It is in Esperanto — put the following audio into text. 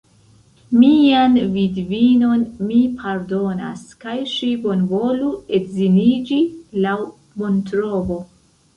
Mian vidvinon mi pardonas, kaj ŝi bonvolu edziniĝi laŭ bontrovo.